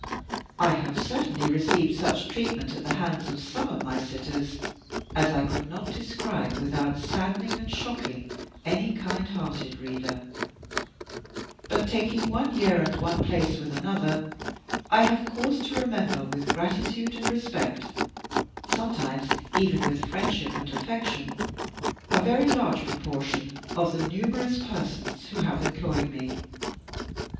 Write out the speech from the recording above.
I have certainly received such treatment at the hands of some of my sitters as I could not describe without saddening and shocking any kind hearted reader; but, taking one year and one place with another, I have cause to remember with gratitude and respect sometimes even with friendship and affection a very large proportion of the numerous persons who have employed me.